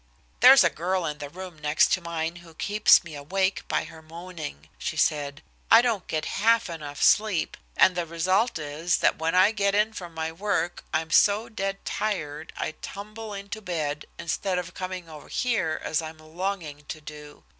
"There's a girl in the room next mine who keeps me awake by her moaning," she said. "I don't get half enough sleep, and the result is that when I get in from my work I'm so dead tired I tumble into bed, instead of coming over here as I'm longing to do.